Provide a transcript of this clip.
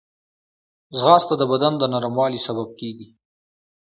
ځغاسته د بدن د نرموالي سبب کېږي